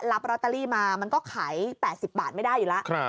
ลอตเตอรี่มามันก็ขาย๘๐บาทไม่ได้อยู่แล้ว